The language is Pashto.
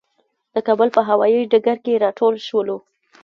د کابل په هوايي ډګر کې راټول شولو.